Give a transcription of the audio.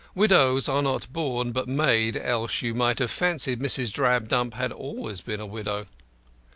Widows are not born but made, else you might have fancied Mrs. Drabdump had always been a widow.